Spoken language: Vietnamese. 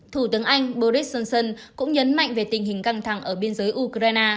thủ tướng anh boris johnson cũng nhấn mạnh về tình hình căng thẳng ở biên giới ukraine